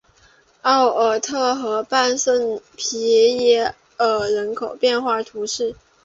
奥尔特河畔圣皮耶尔人口变化图示